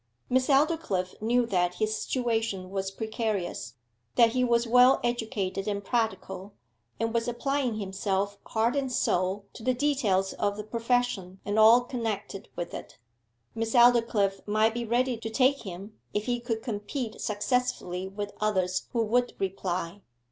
Miss Aldclyffe knew that his situation was precarious, that he was well educated and practical, and was applying himself heart and soul to the details of the profession and all connected with it. Miss Aldclyffe might be ready to take him if he could compete successfully with others who would reply.